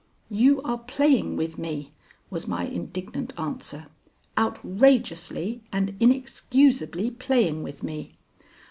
"You are playing with me," was my indignant answer; "outrageously and inexcusably playing with me.